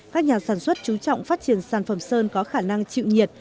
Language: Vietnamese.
các nhà sản xuất chú trọng phát triển sản phẩm sơn có khả năng chịu nhiệt